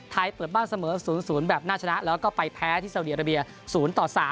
ไทยเปิดบ้านเสมอ๐๐แบบน่าชนะแล้วก็ไปแพ้ที่เศรษฐ์เศรียราเบียร์๐ต่อ๓